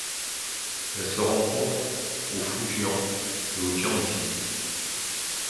Elles se rencontrent au Fujian et au Jiangxi.